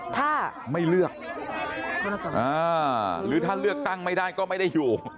ถ้าไม่เลือกหรือถ้าเลือกตั้งไม่ได้ก็ไม่ได้อยู่